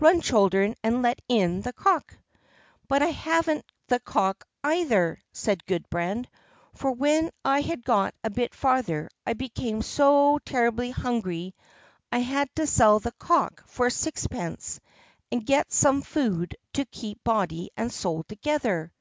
Run, children, and let in the cock." "But I haven't the cock either," said Gudbrand; "for when I had got a bit farther I became so terribly hungry I had to sell the cock for sixpence and get some food to keep body and soul together."